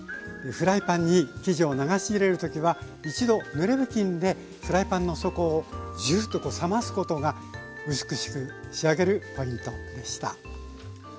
フライパンに生地を流し入れる時は一度ぬれ布巾でフライパンの底をジュッと冷ますことが美しく仕上げるポイントでした。